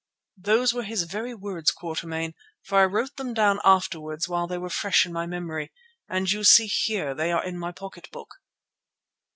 "Those were his very words, Quatermain, for I wrote them down afterwards while they were fresh in my memory, and you see here they are in my pocket book.